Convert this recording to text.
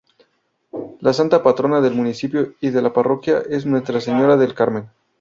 La santa patrona del municipio y de la parroquia es Nuestra Señora del Carmen.